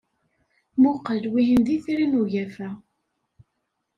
Mmuqqel, wihin d Itri n Ugafa.